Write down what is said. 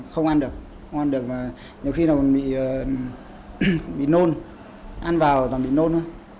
không ăn được nhiều khi bị nôn ăn vào toàn bị nôn